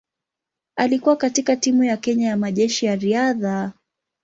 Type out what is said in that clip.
Alikuwa katika timu ya Kenya ya Majeshi ya Riadha.